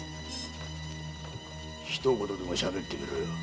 ひと言でも喋ってみろよ。